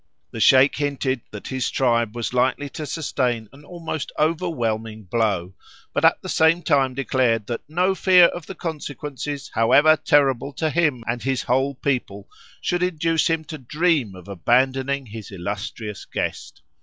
The Sheik hinted that his tribe was likely to sustain an almost overwhelming blow, but at the same time declared, that no fear of the consequences, however terrible to him and his whole people, should induce him to dream of abandoning his illustrious guest.